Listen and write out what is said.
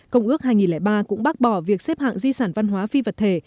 công ước hai nghìn ba cũng bác bỏ việc xếp hạng di sản văn hóa phi vật thể